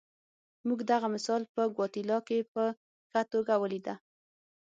موږ دغه مثال په ګواتیلا کې په ښه توګه ولیده.